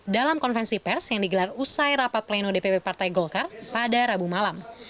dalam konferensi pers yang digelar usai rapat pleno dpp partai golkar pada rabu malam